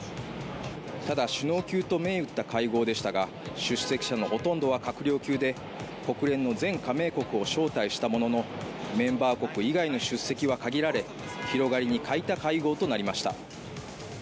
ただ、首脳級と銘打った会合でしたが出席者のほとんどは閣僚級で国連の全加盟国を招待したもののメンバー国以外の出席は限られ広がりに欠いた会合となりました。